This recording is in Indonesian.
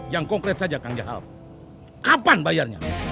yang konkret saja kang jahat kapan bayarnya